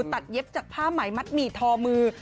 เย็บจากผ้าไหมมัดหมี่ทอมือ